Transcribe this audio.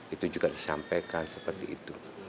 itu juga disampaikan seperti itu